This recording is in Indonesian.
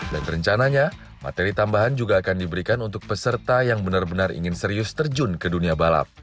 dan rencananya materi tambahan juga akan diberikan untuk peserta yang benar benar ingin serius terjun ke dunia balap